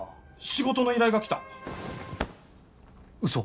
仕事の依頼が来た嘘！？